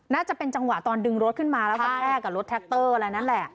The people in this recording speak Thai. น่าจะเป็นจังหวะตอนดึงรถขึ้นมาแล้วกระแทกกับรถแท็กเตอร์อะไรนั่นแหละ